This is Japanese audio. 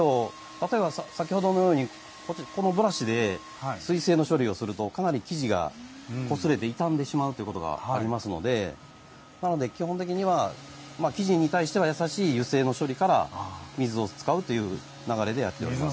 例えば先ほどのようにこのブラシで水性の処理をするとかなり生地がこすれて傷んでしまうということがありますのでなので基本的には生地に対しては優しい油性の処理から水を使うという流れでやっております。